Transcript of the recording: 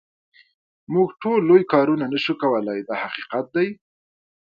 موږ ټول لوی کارونه نه شو کولای دا حقیقت دی.